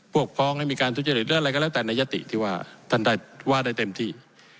พ้องให้มีการทุจริตหรืออะไรก็แล้วแต่ในยติที่ว่าท่านได้ว่าได้เต็มที่